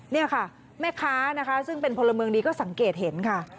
นี่ค่ะแม่ค้านะคะซึ่งเป็นพลเมืองดีก็สังเกตเห็นค่ะ